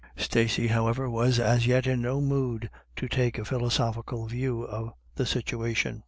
Stacey, however, was as yet in no mood to take a philosophical view of the situation.